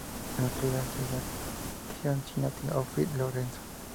En la actualidad está con Cincinnati outfit Lorenzo.